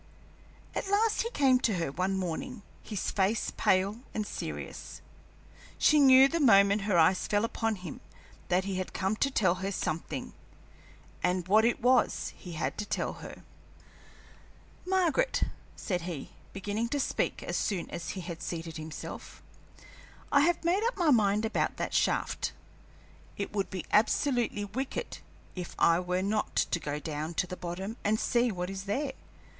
At last he came to her one morning, his face pale and serious. She knew the moment her eyes fell upon him that he had come to tell her something, and what it was he had to tell. "Margaret," said he, beginning to speak as soon as he had seated himself, "I have made up my mind about that shaft. It would be absolutely wicked if I were not to go down to the bottom and see what is there.